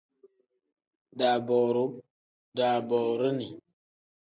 Daabooruu pl: daaboorini n.